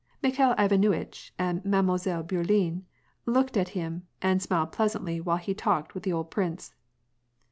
Mikhail Ivanuitch and Mademoiselle Bourienne looked at him and smiled pleasantly while he talked with the old prince.